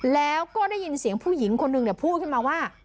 แล้วก็ได้ยินเสียงผู้หญิงคนหนึ่งพูดขึ้นมาว่า